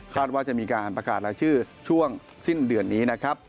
ว่าจะมีการประกาศรายชื่อช่วงสิ้นเดือนนี้นะครับ